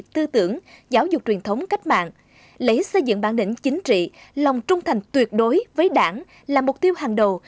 tư tưởng giáo dục truyền thống cách mạng lấy xây dựng bản lĩnh chính trị lòng trung thành tuyệt đối với đảng là mục tiêu hàng đầu